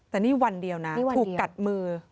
แต่นี่วันเดียวนะถูกกัดมือ